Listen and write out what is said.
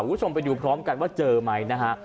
คุณผู้ชมไปดูพร้อมกันว่าเจอไหมนะฮะ